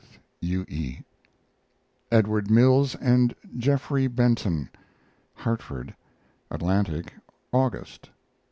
U. E. EDWARD MILLS AND GEO. BENTON (Hartford) Atlantic, August.